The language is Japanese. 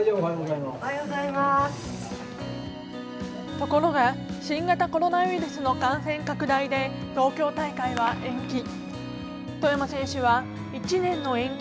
ところが新型コロナウイルスの感染拡大で東京大会は延期。